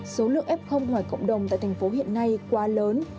số lượng f ngoài cộng đồng tại thành phố hiện nay quá lớn